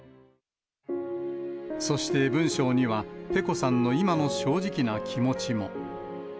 そして文章にはｐｅｃｏさんの今の正直な気持ちも。